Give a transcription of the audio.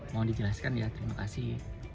mau dijelaskan ya terima kasih